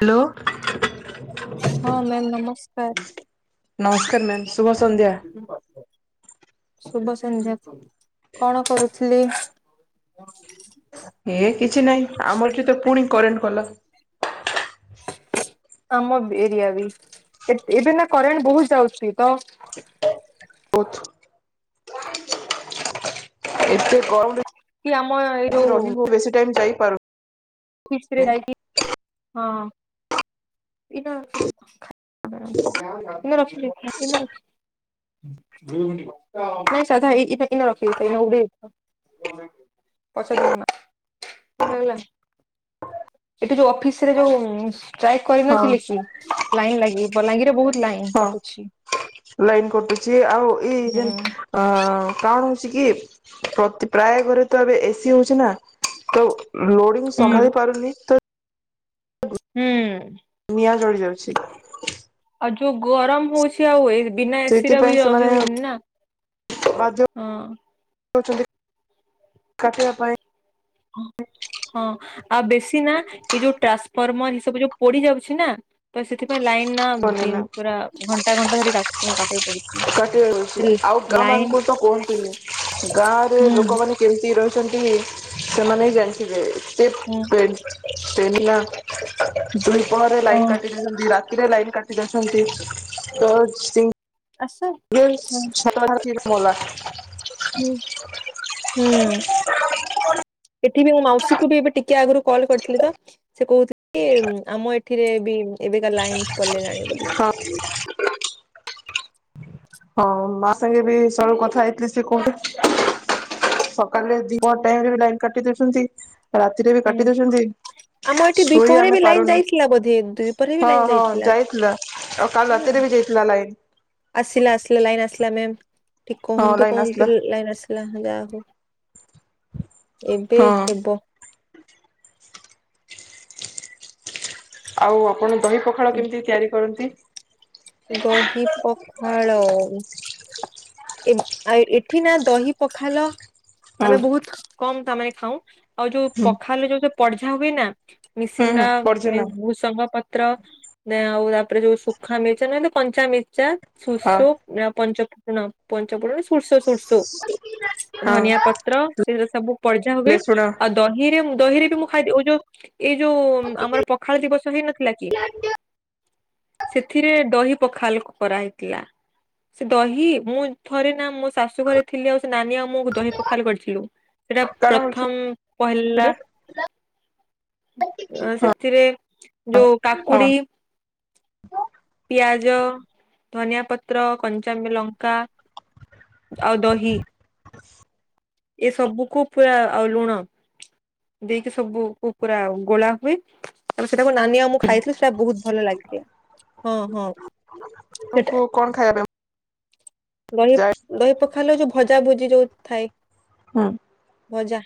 Hello ହଁ ma'am ନମସ୍କାର। ନମସ୍କାର ମ୍ୟାମ୍ ଶୁଭ ସନ୍ଧ୍ୟା। ଶୁଭ ସନ୍ଧ୍ୟା କଣ କରୁଥିଲି? ଏଇ କିଛି ନାହିଁ ଆମର ଚତ ପୁଣି କରେଣ୍ଟ ଗଲା। ଆମ ବି ଏରିଆ ବି ଏ ଏବେ ନା କରେଣ୍ଟ ବହୁତ ଯାଉଚି ତ [unintelligible] ଏତେ ଗରମ କି ଆମ ଏଇ ରେ ଯୋଉ ରହିବୁ ବେଶୀ ଟାଇମ୍ ଯାଇପାରୁ ଖୁସିରେ ଯାଇକି ହଁ [unintelligible] ନେ ରଖିଦେ ଗିନା ରଖି ନାଇଁ ସାଧା ଇ ଇନ ଇନ ରଖିଦେଇଥ ଇନ ଉଧେ ପଛରେ ଦେମି ମା। ହଲ ମହିଳାମାନେ ଇଲା ଏଠି ଯୋଉ ଅଫିସ୍ ଥିରେ ଯୋଉ ଟ୍ରାଏ ହଁ କରିନଥିଲି ସି ଲାଇନ୍ ଲାଗି ବଲାଙ୍ଗିରରେ ବହୁତ ଲାଇନ୍ କଟୁଛି। ଲାଇନ୍ କଟୁଚି ଆଉ ଏଇ ହୁଁ ଯେନ୍ ଅଁ କାଣ ହଉଚି କି ପ୍ରତି ପ୍ରାୟ ଘରେ ତ ଏବେ ଏ ସି ହୋଉଚି ନା ତ ଲୋଡ଼ି ଉ ହୁଁ। ସହାଳି ପାରୁନି ତ ହୁଁ। ନିଆଁ ଜଳି ଯାଉଛି। ଆଉ ଯୋଉ ଗରମ ହଉଛ୍ କି ଆଉ ଏ ବିନା ଏ ସି ର ସେଇଥିପାଇଁ ବି ରହି ସେମାନେ ହୋଉନି ନା ହଁ। ଅଚନ୍ତି କାଟିବା ପାଇଁ ହଁ। ହଁ ଆଉ ବେଶୀ ନାଁ ଏ ଯୋଉ ଟ୍ରାନ୍ସଫର୍ମର୍ ଏ ସବୁ ଯୋଉ ପୋଡ଼ି ଯାଉଛି ନା ତ ସେଥିପାଇଁ ଲାଇନ୍ ନା ଦିନ୍ ପାଇଁ ପୁରା ଘଣ୍ଟା ଘଣ୍ଟା ଧରି କାଥୁ କାଟକୁ ପଡ଼ୁଚି ହେଲ୍ ଗାଁମାନଙ୍କୁ ତ କୁହନ୍ତୁନି ଗାଁରେ ହୁଁ ଲୋକମାନେ କେମତି ରହିଛନ୍ତି ସେମାନେ ହିଁ ଜାଣିଥିବେ ସେ ହୁଁ। ସେ ହେଲା ଦିହିପହରେ ଓ ଲାଇନ୍ କାଟି ଦେଇଛନ୍ତି ରାତିରେ ଲାଇ କାଟି ଦୋଉଛନ୍ତି ତ ସିଁ ଆସ। ୱିଲସ୍ ହୁଁ ଛତା ଧରି [unintelligible] ହୁଁ ହୁଁ। ଏଠି ବି ମୋ ମାଉସୀକୁ ବି ଏବେ ଟିକେ ଆଗୁରୁ କଲ୍ କରିଥିଲି ତ ସେ କୋହୁ ଥୁଇ ଆମ ଏଠିରେ ବି ଏବେକା ଲାଇନ୍ ହଁ। ହଁ ମା ସାଙ୍ଗେ ବି ସଅଳୁ କଥା ହେଇଥିଲି ସେ କହୁଥୁ ସକାଳରେ ଦିପ ଟାଇମ୍ ରେ ବି ଲାଇନ୍ କାଟି ଦୋଉଚନ୍ତି। ରାତିରେ ବି ହୁଁ କାଟି ଦୋଉଛନ୍ତି ଆମ ଏଠି ଶୋଇ ଦ୍ୱିପହରେ ଆମେ ବି ଲାଇନ ପାରୁନୁ। ଯାଇଥିଲା ବୋଧେ ଦ୍ୱିପହରେ ବି ହଁ ଲାଇନ ହଁ ଯାଇଥିଲା ଆଉ କାଲି ରାତିରେ ବି ଯାଇଥିଲା ଲାଇନ୍। ଆସିଲା ଆସିଲା ଲାଇନ୍ ଆସିଲା ମେମ୍ ଠି ହଁ କୁହନ୍ତୁ ଲାଇନ ଆସିଲା କୁହନ୍ତୁ ଯୋଉ ଲାଇନ୍ ଆସିଲା ହେ ଯାଆକୁ। ଏବେ ହଁ। ହେବ। ଆଉ ଆପଣ ଦହି ପଖାଳ କେମିତି ତିଆରି କରନ୍ତି? ଦହି ପଖାଳ ଏ ଆ ଏଠି ନାଁ ଦହି ପଖାଲ ହଁ ଆମେ ବହୁତ କମ୍ ତାମାନେ ଖାଉଁ ଆଉ ଯୋଉ ହୁଁ ପଖାଲ ଯୋଉଥେ ପଡ଼ଝା ହୁଏ ନା? ହୁଁ ହୁଁ ମିସିଙ୍ଗା ମି ପଡିଛିନା ଭୃସଙ୍ଗ ପତ୍ର ଦେ ଆଉ ତାପରେ ଯୋଉ ଶୁଖା ମି ଚେନା ଦୁ ପଞ୍ଚା ମିର୍ଚା ହଁ ସୁର୍ସ ଆ ପଞ୍ଚ ଫୁଟଣ ପଞ୍ଚ ଫୁଟଣ ସୁର୍ସ ସୁର୍ସ। ହଁ ଧନିଆ ପତ୍ର ସେ ୟୋଉ ସବୁ ପଡ଼ଜା ହୁଏ ହେଲେ ଶୁଣ ଆ ଦହିରେ ମୁଁ ଦହିରେ ବି ମୁଁ ଖାଇ ଦିଏ ଓ ଯୋଉ ଏ ଯୋଉ ଆମର ପଖାଳ ଦିବସ ହେଇନଥିଲା କି? ତିରେ ଦହି ପଖାଲ କରାହେଇଥିଲା। ସେ ଦହି ମୁଁ ଥରେ ନାଁ ମୋ ଶାଶୁ ଘରେ ଥିଲି ଆଉ ସେ ନାନୀ ଆଉ ମୁଁ ଦହି ପଖାଲ କରିଥିଲୁ ସେଟା କଣ ହଉଛି ପ୍ରଥମ ପହେଲା ଏଇଟା ଅଁ ସେଥିରେ ଯୋଉ ହଁ କାକୁଡ଼ି ପିଆଜ ଧନିଆ ପତ୍ର କଞ୍ଚାମୀ ଲଙ୍କା ଆଉ ଦହି ଏସବୁକୁ ପୁରୁରା ଆଉ ଲୁଣ। ଦେଇକି ସବୁ ପୁରା ଗୋଳା ହୁଏ ତା ସେଟା ନାନୀ ଆଉ ମୁକୁ ଖାଇଥିଲି ସେଇଟା ବହୁତ ଭଲ ଲାଗିଥିଲା। ହଁ ହଁ ସେଟା ଆପଣଙ୍କୁ କଣ ଖାଇଚ? ଦହି ଦହି ପଖାଇଲେ ଯୋଉ ଭଜା ଭୁଜି ଯୋଉ ଥାଏ। ହଁ। ଭଜା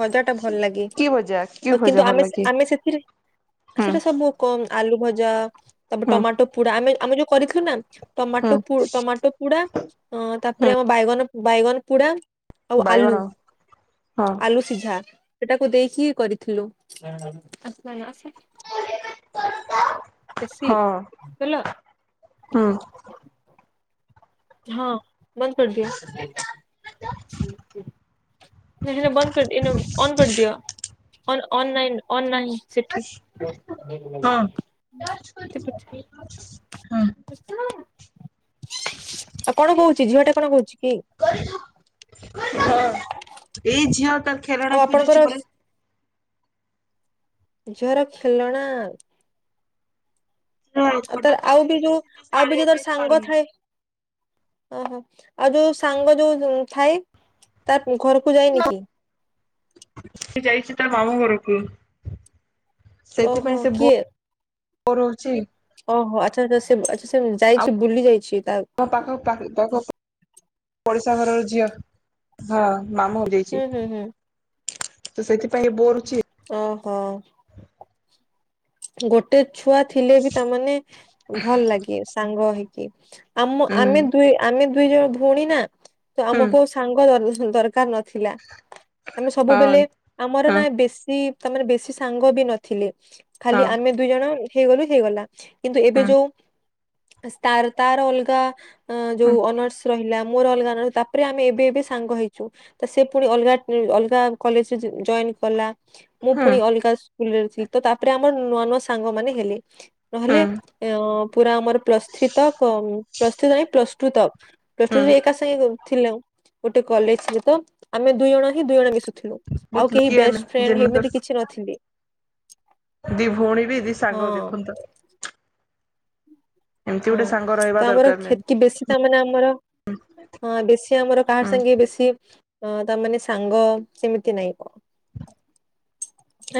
ଭଜା ଟା ଭଲ ଲାଗେ କି ଭଜା କି ଆଉ ଭଜା କିନ୍ତୁ ଭଲ ଆମେ ଲାଗେ? ଆମେ ସେଥିରେ ହୁଁ। କମ ଆଲୁ ଭଜା ତାପରେ ହୁଁ ଟମାଟୋ ପୋଡା ଆମେ ଆମେ ଯୋଉ କରିଥିଲୁ ନା ହୁଁ ଟମାଟୋ ପୁ ଟମାଟୋ ପୋଡା ଅ ତାପରେ ହୁଁ ଆମ ବାଇଗଣ ବାଇଗଣ ପୋଡା। ଆଉ ବାଇଗଣ ଆଲୁ ହଁ ଆଲୁ ସିଝା। ସେଟାକୁ ଦେଇଖୀ କରିଥିଲୁ। ବେଶୀ ହଁ [unintelligible] ହୁଁ। ହଁ ବନ୍ଦ କରି ଦିଅ। [inaudible] [unintelligible] ସେଥିରେ ବନ୍ଦ କରି ଅନ କରିଦିଅ ଅନାଇ ନାଇଁ ଅନାଇ ନାଇଁ ସେଠି କୋଉଠି ହଁ ଲାଗିଛି ହଁ ସେପଟେ ଆଉ କଣ କହୁଛି ଝିଅ ଟା କଣ କହୁଛି କି? ହଁ ଏଇ ଝିଅ ତାର ଆଉ ଖେଳଣା ଆପଣଙ୍କର ଖୋଜୁଛି ଝିଅର ଖେଳଣା [unintelligible] ଆଉ ଖଟ ତାର ତଳେ ଆଉ ବି ଯୋଉ ରହିଯାଇଛି ତ ସେ ଆଉ ବି ଆଣିବା ଯୋଉ ପାଇଁ ତାର ସାଙ୍ଗ ପାରୁନି ଥାଏ। ଓହୋ ଆଉ ଯୋଉ ସାଙ୍ଗ ଯୋଉ ଥାଏ ତା ଘରକୁ ଯାଇଏନି। ସେ ଯାଇଛି ତା ମାମଁ ଘରକୁ ଓହୋ ସେଥିପାଇଁ ସେ ପ କିଏ କରୁଛି। ଓହୋ ଆଚ୍ଛା ଆଛା ସେ ଆଚ୍ଛା ସେ ଯାଇଛି ବୁଲି ଯାଇଛି ତା ମୋ ପାଖଖ ପାଖ ପଡ଼ିଶା ଘରର ଝିଅ ହଁ ମାମୁଲ ହୁଁ ଦେଇଚି ହୁଁ ହୁଁ ତ ସେଥିପାଇଁ ବୋରୁଛି ଓହୋ। ଗୋଟେ ଛୁଆ ଥିଲେ ବି ତାମାନେ ଭଲ ଲାଗେ ସାଙ୍ଗ ହେଇକି। ଆମ ହୁଁ ଆମେ ଦୁଇ ଆମେ ଦୁଇ ଜଣ ଭଉଣୀ ନା ତ ହୁଁ ଆମକୁ ସାଙ୍ଗ ଦରକାର ନଥିଲା ଥିଲା ଆମେ ସବୁବେଳେ ହଁ ଆମର ହଁ ନା ବେଶୀ ତା ମାନେ ବେଶୀ ସାଙ୍ଗ ବି ନଥିଲେ ଖାଲି ହଁ ଆମେ ଦୁଇ ଜଣ ହେଇଗଲୁ ହେଇଗଲା। କିନ୍ତୁ ଏବେ ହଁ ଯୋଉ ତାର ତାର ଅଲଗା ହଁ ଯୋଉ ଅନର୍ସ ରହିଲା। ମୋର ଅଲଗା ତାପରେ ଆମେ ଏବେ ଏବେ ସାଙ୍ଗ ହେଇଛୁ। ତ ସେ ପୁଣି ଅଲଗା ଅଲଗା କଲେଜରେ ଜଏନ୍ କଲା। ମୁଁ ହଁ ପୁଣି ଅଲଗା ସ୍କୁଲରେ ଥିଲି ତ ତା ତାପରେ ଆମର ନୂଆ ନୂଆ ସାଙ୍ଗ ମାନେ ହେଲେ ହଁ ନହେଲେ ଅ ପୁରା ଆମର ପ୍ଲସ୍ ଥ୍ରୀ ତକ୍ [unintelligible] ପ୍ଲସ ଟୁ ତକ୍ ପ୍ଲସ ହୁଁ ଟୁ ଏକା ସାଙ୍ଗେ ଥିଲୁ ଗୋଟେ କଲେଜରେ ତ ଆମେ ଦୁଇ ଜଣ ହିଁ ଦୁଇ ଜଣ ମିଶୁଥିଲୁ। ବହୁତ ଆଉ କେହି ଲକି ଆମେ ବେଷ୍ଟ ଫ୍ରେଣ୍ଡ ଏମିତି ଜନ୍ମକରିଛୁ କିଛି ନଥିଲୁ। ଦି ଭଉଣୀ ବି ଦି ହଁ ସାଙ୍ଗ ଦେଖନ୍ତି। ଏମିତି ଗୋଟେ ସାଙ୍ଗ ହଁ ରହିବା ତ ଆମର ଦରକାର ମ୍ୟାମ୍ କ୍ଷତି ବେଶୀ ତା ମାନେ ଆମର। ହୁଁ। ହଁ ବେଶୀ ଆମର କାହା ସାଙ୍ଗେ ବେଶୀ ଅ ତା ମାନେ ସାଙ୍ଗ ସେମିତି ନାଇଁ।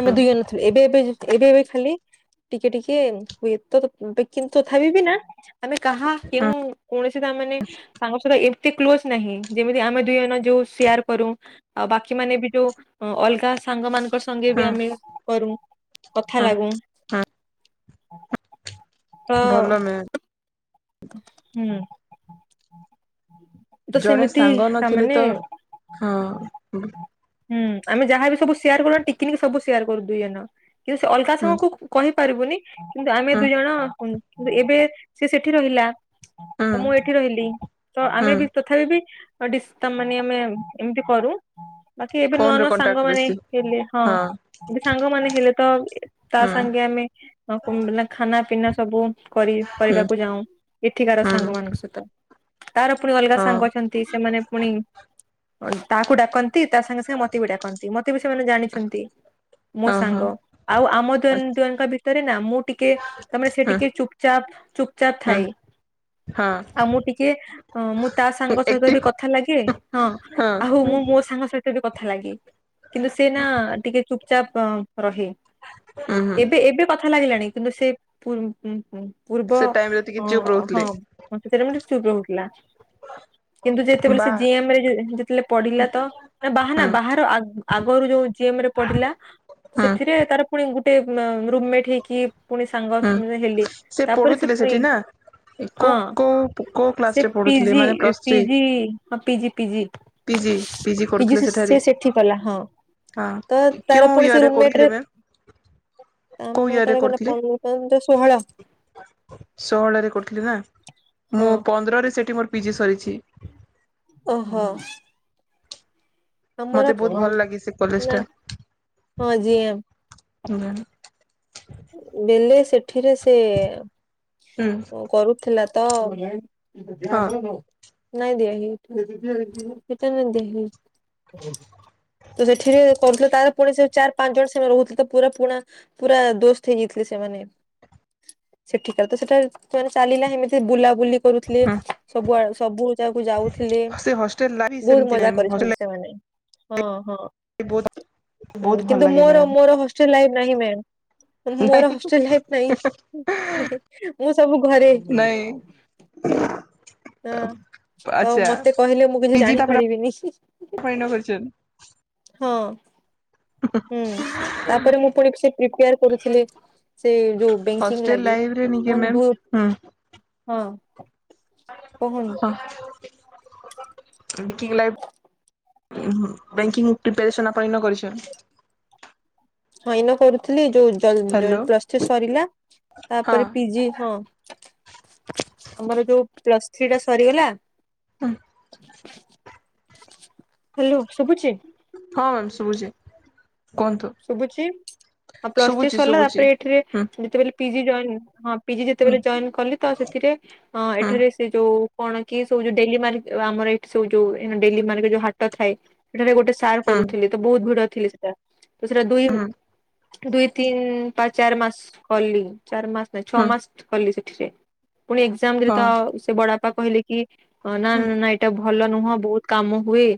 ଆମେ ହୁଁ ଦୁଇ ଜଣ ଥିଲୁ ଏବେ ଏବେ ଏବେ ଏବେ ଖାଲି ଟିକେ ଟିକେ ହୁଏ ତ କିନ୍ତୁ ତଥାବି ନା ଆମେ କାହା କେଉଁ କୌଣସି କାମ ନାଇ ସାଙ୍ଗ ଛଡା ଏମିତି କ୍ଲୋଜ ନାହିଁ ଯେମିତି ଆମେ ଦୁଇ ଜଣ ଯୋଉ ସେୟାର କରୁ। ଆଉ ବାକି ମାନେ ବି ଯୋଉ ଅଲଗା ସାଙ୍ଗ ମାନଙ୍କର ସଙ୍ଗେ ହୁଁ ବି ଆମେ କରୁ କଥା ହୁଁ ଲାଗୁ। ତ୍ ଭଲ ମ୍ୟାମ୍ ହୁଁ ତ ଜଣେ ସେମିତି ସାଙ୍ଗ ତା ନଥିଲେ ମାନେ ତ ହଁ। ହୁଁ ଆମେ ଯାହାବି ସବୁ ସେୟାର କରୁ ଟିକିନିଖି ସବୁ ସେୟାର କରୁ ଦୁଇ କିନ୍ତୁ ସେ ଅଲଗା ହୁଁ ସାଙ୍ଗ କୁ କହିପାରିବୁନି କିନ୍ତୁ ଆମେ ହୁଁ ଦୁଇ ଜଣ ଏବେ ସେ ସେଠି ରହିଲା। ତ ମୁଁ ଏଇଠି ରହିଲି ତ ହୁଁ ଆମେ ବି ତଥାପି ବି ଡିଷ୍ଟା ମାନେ ଆମେ ଏମିତି କରୁ। ବାକି ଏବେ ନୂଆ ଫୋନରେ ନୂଆ କଣ୍ଟାକ୍ଟ ସାଙ୍ଗମାନେ ବେଶୀ ହେଲେ ହଁ। ଏ ସାଙ୍ଗମାନେ ହେଲେତ ତା ହୁଁ ସାଙ୍ଗେ ଆମେ ହ ଖାନା ପିନା ସବୁ କରି ହୁଁ କରିବାକୁ ଯାଉ ଏଠିକାର ସାଙ୍ଗ ହୁଁ ମାନଙ୍କ ସହିତ। ତାର ପୁଣି ଅଲଗା ହଁ ସାଙ୍ଗ ଅଛନ୍ତି ସେମାନେ ପୁଣି ତାହାକୁ ଡାକନ୍ତି। ତା ସାଙ୍ଗେ ସାଙ୍ଗେ ମୋତେ ବି ଡାକନ୍ତି ମୋତେ ବି ସେମାନେ ଜାଣିଛନ୍ତି। ମୋ ହଁ ସାଙ୍ଗ ହଁ ଆଉ ଆମ ଦୁଇ ଜଣଙ୍କ ଭିତରେ ନା ମୁଁ ଟିକେ ତମେ ସେ ହୁଁ ଟିକେ ଚୁପଚାପ ଚୁପଚାପ ହୁଁ ଥାଏ। ହଁ ଆଉ ମୁଁ ଟିକେ ଅ ମୁଁ ତା ସାଙ୍ଗ ସହିତ ବି ଏକ୍ଟିଭ କଥା ଲାଗେ ହଁ। ଆଉ ମୁଁ ହଁ। ମୋ ସାଙ୍ଗ ସହିତ ବି କଥା ଲାଗେ କିନ୍ତୁ ସେ ନା ଟିକେ ଚୁପ ଚାପ ରହେ ହୁଁ ଏବେ ଏବେ କଥା ଲାଗିଲାଣି କିନ୍ତୁ ସେ ପୂର୍ବ ସେ ଟାଇମ ରେ ଟିକେ ଅ ଚୁପ୍ ରହୁଥିଲେ ହଁ ସେଥିରେ ମତେ ସେ ଚୁପ୍ ରଉଥିଲା। କିନ୍ତୁ ଯେତେବେଳେ ବା ସେ ଜିଏମ ରେ ଯେତେବେଳେ ପଢିଲା ତ ନା ବାହାନା ହୁଁ ବାହାର ଆଗରୁ ଯୋଉ ଜିଏମ ରେ ପଢିଲା ହୁଁ ସେଥିରେ ତାର ପୁଣି ଗୋଟେ ରୁମ୍ ମେଟ୍ ହେଇକି। ପୁଣି ହୁଁ ସାଙ୍ଗମି ହେଲି ତାପରେ ସେ ପଢୁଥିଲେ ପୁଣି ସେଠି ନା ହଁ କୋଉ କୋଉ କୋଉ କ୍ଲାସ ସେ ରେ ପଢୁଥିଲେ ପିଜି ମାନେ ପ୍ଲସ୍ ଥ୍ରୀ ପିଜି ହଁ ପିଜି ପିଜି। ପିଜି ପିଜି କରୁଥିଲେ ସେ ସେଠାରେ ସିଏ ସେଠି କଲା ହଁ। ତ ହଁ ତାର କେଉଁ ପୁଣି ଇୟର ସେ ରୁମମେଟ୍ ରେ କରୁଥିଲେ ମ୍ୟାମ୍ କୋଉ ତମ ଇୟର ରେ ତାର କହିଲ କରୁଥିଲେ ପନ୍ଦ ପନ୍ଦର ଷୋହଳ। ଷୋହଳରେ କରୁଥିଲି ନା ହଁ ମୁଁ ପନ୍ଦରରେ ସେଠି ମୋର ପିଜି ସରିଛି। ଓହୋ। ମତେ ଆମର ବହୁତ ଭଲ ଲାଗେ ସେ କଲେଜ ଟା ନାଇଁ ହଁ ଜିଏମ ହୁଁ। ଦେଲେ ସେଠିରେ ସେ କଣ କରୁଥିଲା ହଁ ତ ନାଇଁ ଦିଆ ହେଇନି ସେଟା ନାଇଁ ଦିଆହେଇନି। ତ ସେଠିରେ କରୁଥିଲ ତା ପୁଣି ସେ ଚାରି ପାଞ୍ଚ ଜଣ ସେମାନେ ରହୁଥିଲେ ତ ପୁରା ପୁଣା ପୁରା ଦୋସ୍ତ। ହେଇଯାଇଥିଲେ ସେମାନେ ସେଠିକାର ତ ସେଟା ସେମାନେ ଚାଲିଲା ସେମିତି ବୁଲାବୁଲି କରୁଥିଲେ ହୁଁ ସବୁଆ ସବୁ ଯାକୁ ଯାଉଥିଲେ। ସେ ହଷ୍ଟେଲ ଲାଇଫ ବହୁତ ସେମିତି ମଜା ମ୍ୟାମ୍ ହଷ୍ଟେଲ କରିଛନ୍ତି ସେମାନେ ହଁ ହଁ। ଲାଇଫ ବହୁତ ବହୁତ ଉଁ ଭଲ କିନ୍ତୁ ଲାଗେ ମୋର ମ୍ୟାମ୍ ମୋର ହଷ୍ଟେଲ ଲାଇଫ ନାହିଁ ମେନ୍। ମୋର ନାଇଁ ହଷ୍ଟେଲ ନାଇଁ ନାହିଁ ମୁଁ ସବୁ ଘରେ ନାଇଁ ନାଁ ତ ଆଚ୍ଛା ମତେ କହିଲେ ମୁଁ କିଛି ଜାଣିପାରିବିନି ହିଁ। ଆପଣ ଏନ କରିଚନ୍। ହଁ। ହୁଁ ତାପରେ ମୁଁ ପୁଣି ସେ ପ୍ରିପେୟାର କରୁଥିଲି। ସେ ଯୋଉ ବେଙ୍କିଙ୍ଗ୍ ହଷ୍ଟେଲ ଲାଗି ଲାଇଫରେ ନିଜେ ମନ୍ ମ୍ୟାମ୍ ଦୁ ହୁଁ ହଁ। କହୁନି ହ ଉଁ ବେକିଙ୍ଗ ଲାଇଫ୍ ଉଁ ହୁଁ ବ୍ୟାଙ୍କିଂ ପ୍ରିପାରେସନ୍ ଆପଣ ଏନ କରିଛନ୍। ହଁ ଏନ କରୁଥିଲି ଯୋଉ ଜଲ୍ ଜଲ୍ ହ୍ୟାଲୋ ପ୍ଲସ୍ ଥ୍ରୀ ସରିଲା ହଁ ତାପରେ ପିଜି ହଁ। ଆମର ଯୋଉ ପ୍ଲସ୍ ଥ୍ରୀଟା ସରିଗଲା। ହୁଁ। ହ୍ୟାଲୋ ଶୁଭୁଚି। ହଁ ମ୍ୟାମ୍ ଶୁଭୁଚି। ଶୁଭୁଚି ଆଉ ପ୍ଲସ୍ ଥ୍ରୀ ଶୁଭୁଛି ସରିଲା ଶୁଭୁଛି। ତାପରେ ଏଠିରେ ହୁଁ ଯେତେବେଲେ ପିଜି ଜଏନ୍ ହଁ। ପିଜି ହୁଁ ଯେତେବେଲେ ଜଏନ୍ କଲି ତ ସେଥିରେ ଅଁ ହୁଁ ଏଠାରେ ସିଏ ଯୋଉ କଣ କି ସବୁ ଯୋଉ ଡେଲି ମାର୍କ ଓ ଆମର ଏଠି ସବୁ ଯୋଉ ଡେଲି ମାର୍କେ ଯୋଉ ହାଟ ଥାଏ ସେଠାରେ ଗୋଟେ ସାର ହୁଁ କରୁଥିଲେ ତ ବୋହୁତ ଭିଡ ଥିଲେ ସେଟା। ତ ସେଟା ଦୁଇ ଉଁ ଦୁଇ ତିନ ପା ଚାର୍ ମାସ୍ କଲି ଚାର୍ ମାସ୍ ନାଇଁ ହୁଁ ଛଅ ହୁଁ ମାସ୍ କଲି ସେଠିରେ ପୁଣି ଏଗ୍ଜାମ ଦେଲି ହଁ ତ ସେ ବଡବାପା କହିଲେ କି ଅଁ ନା ନାନା ନା ଏଇଟା ଭ ଭଲ ନୁହଁ ବୋହୁତ କାମ ହୁଏ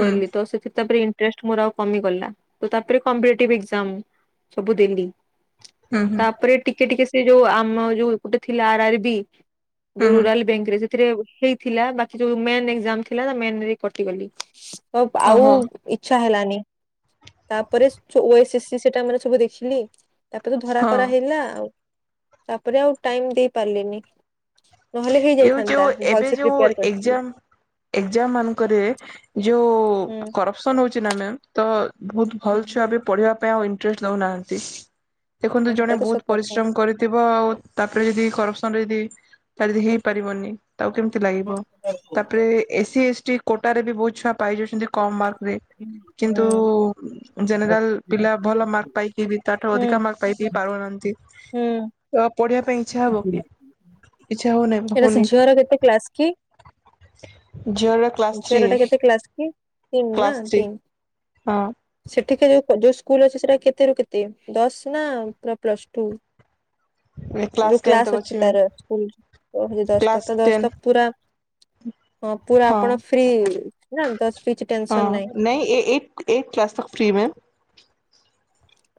ହୁଁ ବୋଇଲେ ତ ସେଥି ତାପରେ ଇଣ୍ଟରେଷ୍ଟ ମୋର ଆଉ କମିଗଲା। ତ ତାପରେ କମ୍ପିଟେଟିଭ ଏଗ୍ଜାମ୍ ସବୁ ଦେଲି ହୁଁ ହୁଁ ତାପରେ ଟିକେ ଟିକେ ସେଇ ଯୋଉ ଆମ ଯୋଉ ଗୋଟେ ଥିଲା ଆର୍ ଆର୍ ବି ଯୋଉ ହୁଁ ରୁରାଲ ବ୍ୟାଙ୍କରେ ସେ ତିରେବୁ ହେଇଥିଲା ବାକି ଯୋଉ ମେନ୍ ଏଗ୍ଜାମ ଥିଲା ତା ମେନରେ କଟିଗଲି ତ ଆଉ ଓହୋ ଇଚ୍ଛା ହେଲାନି। ତାପରେ ସ୍ ଯୋଉ ଏସ୍ ଏସ୍ ସି ସେ ଟାଇମିରେ ସବୁ ଦେଖିଲି ତାପରେ ଧରା ହଁ କରା ହେଇଲା ଆଉ ତାପରେ ଆଉ ଟାଇମ୍ ଦେଇ ପାରିଲନି ନହେଲେ ଏଉ ହେଇଯାଇଥାନ୍ତା ଯୋଉ ଭଲ ସେ ପ୍ରିପେୟାର କରିଥିଲେ। ଏଗ୍ଜାମମାନଙ୍କରେ ଯୋଉ ହୁଁ। କରପସନ୍ ହଉଛି ନା ମ୍ୟାମ୍ ତ ଭୋଉତ ହୁଁ ଭଲ୍ ଛୁଆ ବି ପଢିବା ପାଇଁ ଆଉ ଇଣ୍ଟରେଷ୍ଟ ଦଉନାହାନ୍ତି। ଦେଖନ୍ତୁ ହଁ, ଜଣେ ହେଟା ତ ବୋହୁତ ସତ କଥା ପରିଶ୍ରମ କରିଥିବ ଆଉ ତାପରେ ଯଦି କରପସନରେ ଯଦି ଛାଡି ଦେଖିକି ପାରିବନି ତାକୁ କେମତି ଲାଗିବ ତାପରେ ଏସି ଏସ୍ ଟି କୋଟାରେ ବି ବୋହୁତ ଛୁଆ ପାଇଯାଉଛନ୍ତି। କମ୍ ମାର୍କରେ। କିନ୍ତୁ ହୁଁ ଉ ଜେନେରାଲ୍ ପିଲା ଭଲ ମାର୍କ ପାଇକି ବି ତାଠୁ ହୁଁ ଅଧିକା ମାର୍କ ପାଇକି ପାଉନାହାନ୍ତି ହୁଁ ତ ପଢିବା ପାଇଁ ଇଚ୍ଛା ହବ କି ଇଚ୍ଛା ହଉ ନାଇଁ। ଏବେ ସେ ଝିଅର କେତେ କ୍ଲାସ୍ କି? ଝିଅର କ୍ଲାସ ଉଁ ଥ୍ରୀ ଝିଅର ଏଟା କେତେ କ୍ଲାସ୍ କି ତିନ୍ ନା କ୍ଲାସ ଥ୍ରୀ ତିନ୍। ହଁ। ସେଠିକେ ଯୋଉ କ ଯୋଉ ସ୍କୁଲ ଅଛି ସେଟା କେତେ ରୁ କେତେ ଦଶ ନା ପୁରା ପ୍ଲସ୍ ଟୁ। ଯୋଉ ଟେନ୍ ତକ କ୍ଲାସ ଅଛି ମ୍ୟାମ। ତାର ସ୍କୁଲର। ପଢିକି ଦଶଟା ତ ଦଶ ତ ପୁରା ହଁ ପୁରା ଆପଣ ଫ୍ରି ନା [unintelligible] କିଛି ଟେନସନ୍ ନାହିଁ। ନାଇଁ ଏ ଏଇ ଏଇଟ୍ କ୍ଲାସ୍ ତକ୍ ଫ୍ରି ମେ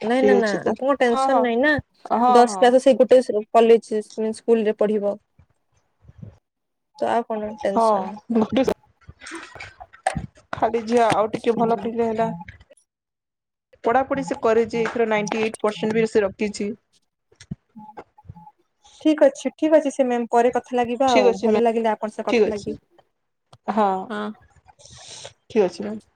ନାଇଁ ନା ନା ଆପଣ ହଁ ଟେନସନ୍ ହଁ ନାଇଁ ନା ହଁ ଦଶ ହଁ କ୍ଲାସରେ ସେଇ ଗୋଟାଏ ଶ୍ରେ କଲେଜ ସେଇ [unintelligible] ସ୍କୁଲରେ ପଢିବ। ତ ଆଉ କଣ ହଁ ଟେନସନ। ଭୁବନେଶ୍ଵର ଖାଲି ଝିଅ ଆଉ ଟିକେ ଭଲ ପିଥିଲେ ହେଲା। ପଢାପଢି ସେ କରିଚି ଏଥର ନାଇଟ୍ ଏଇଟିପସେଣ୍ଟ ବି ସେ ରଖିଚି। ଠିକ୍ ଅଛି ଠିକ୍ ଅଛି ସେ ମ୍ୟମ୍। ପରେରେ କଥା ଲାଗିବା ଠିକ୍ ଆଉ ଅଛି ଭଲ ମ୍ୟାମ୍ ଲାଗିଲା ଆପଣ ସହ ଠିକ୍ କଥା ଅଛି ଲାଗିକି ହଁ। ଠିକ୍ ଅଛି ମ୍ୟାମ।